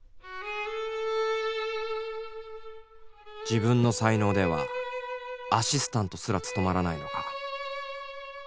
自分の才能ではアシスタントすらつとまらないのか。